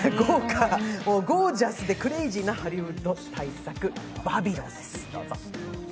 ゴージャスでクレイジーなハリウッド大作「バビロン」です、どうぞ。